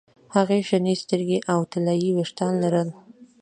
هغې شنې سترګې او طلايي ویښتان لرل